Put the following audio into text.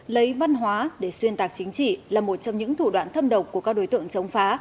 lấy văn hóa để xuyên tạc chính trị là một trong những thủ đoạn thâm độc của các đối tượng chống phá